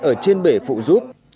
ở trên bể phụ rút